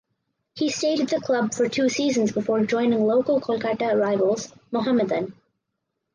He stayed at the club for two seasons before joining local Kolkata rivals Mohammedan.